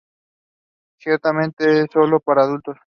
Ciertamente es solo para adultos.